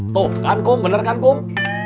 tuh kan kum bener kan kum